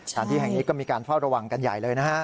สถานที่แห่งนี้ก็มีการเฝ้าระวังกันใหญ่เลยนะฮะ